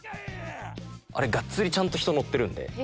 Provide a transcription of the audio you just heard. あれがっつりちゃんと人乗ってるんで。